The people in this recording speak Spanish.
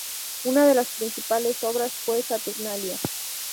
Una de sus principales obras fue "Saturnalia".